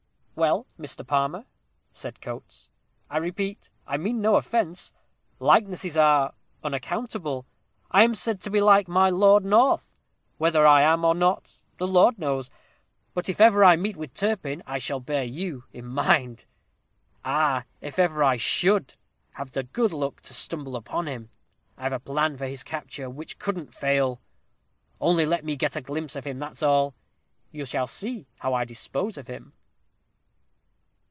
"Well, Mr. Palmer," said Coates, "I repeat, I mean no offence. Likenesses are unaccountable. I am said to be like my Lord North; whether I am or not, the Lord knows. But if ever I meet with Turpin I shall bear you in mind he he! Ah! if ever I should have the good luck to stumble upon him, I've a plan for his capture which couldn't fail. Only let me get a glimpse of him, that's all. You shall see how I'll dispose of him."